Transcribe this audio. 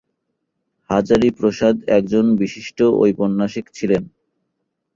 হাজারী প্রসাদ একজন বিশিষ্ট ঔপন্যাসিক ছিলেন।